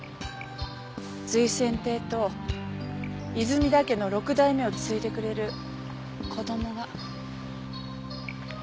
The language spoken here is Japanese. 瑞泉亭と泉田家の６代目を継いでくれる子供が。